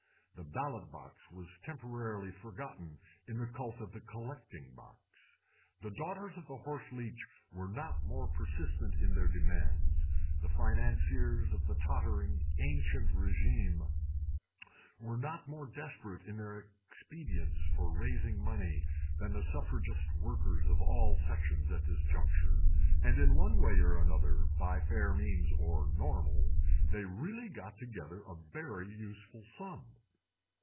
The ballot box was temporarily forgotten in the cult of the collecting box. The daughters of the horseleech were not more persistent in their demands, the financiers of the tottering ancien régime were not more desperate in their expedients for raising money than the Suffragist workers of all sections at this juncture, and in one way and another, by fair means and normal, they really got together a very useful sum.